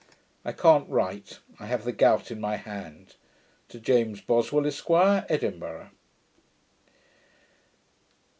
I can't write. I have the gout in my hand. To James Boswell, Esq., Edinburgh.